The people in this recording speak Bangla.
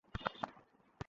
না, না, স্যার।